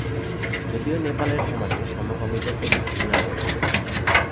যদিও নেপালের সমাজে সমকামীদের প্রতি ঘৃণা রয়েছে।